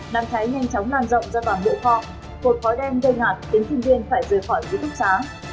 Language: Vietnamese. nằm cháy nhanh chóng lan rộng ra toàn bộ kho cột khói đen gây ngạt đến sinh viên phải rời khỏi ký thúc xá